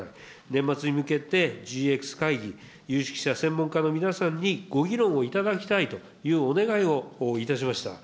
年末に向けて、ＧＸ会議、有識者専門家の皆さんにご議論をいただきたいというお願いをいたしました。